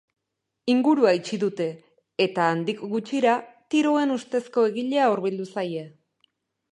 Ingurua itxi dute, eta handik gutxira, tiroen ustezko egilea hurbildu zaie.